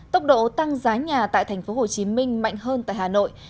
tốc độ tăng giá nhà tại tp hcm mạnh hơn tại hà nội